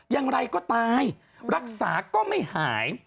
อย่างไรก็ตายรักษาก็ไม่หาย